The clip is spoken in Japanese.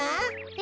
え？